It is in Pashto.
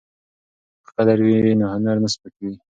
که قدر وي نو هنر نه سپکیږي.